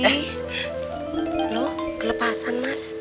halo kelepasan mas